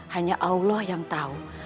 hanya allah yang tahu